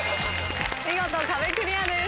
見事壁クリアです。